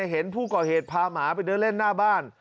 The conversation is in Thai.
เห็นผู้ก่อเหตุพาหมาไปเดินเล่นหน้าบ้าน